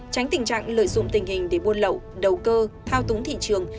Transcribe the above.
tránh tình trạng lợi dụng tình hình để buôn lậu đầu cơ thao túng thị trường